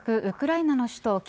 ウクライナの首都